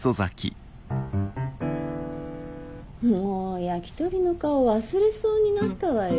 もうヤキトリの顔忘れそうになったわよ。